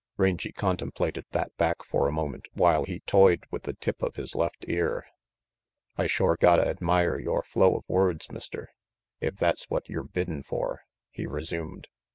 Rangy contemplated that back for a moment while he toyed with the tip of his left ear. "I shore gotta admire yore flow of words, Mister, if that's what yer biddin' for," he resumed.